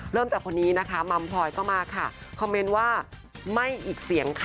จากคนนี้นะคะมัมพลอยก็มาค่ะคอมเมนต์ว่าไม่อีกเสียงค่ะ